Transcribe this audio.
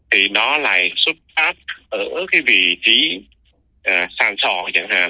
thì nó lại xuất phát ở cái vị trí sàn sò chẳng hạn